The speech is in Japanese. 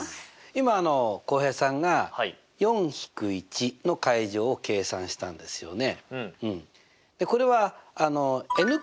今浩平さんが４引く１の階乗を計算したんですよね。